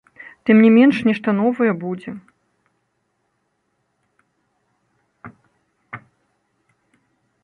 Тым не менш, нешта новае будзе.